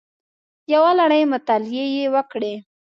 یوه لړۍ مطالعې یې وکړې